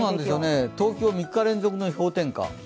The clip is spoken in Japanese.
東京、３日連続の氷点下。